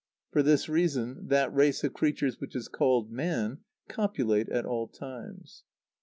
For this reason, that race of creatures which is called man copulate at all times.